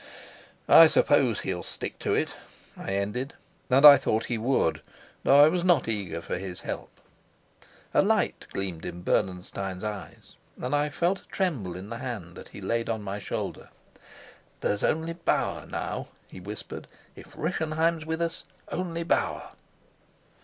"I suppose he'll stick to it," I ended; and I thought he would, though I was not eager for his help. A light gleamed in Bernenstein's eyes, and I felt a tremble in the hand that he laid on my shoulder. "Then there's only Bauer now," he whispered. "If Rischenheim's with us, only Bauer!"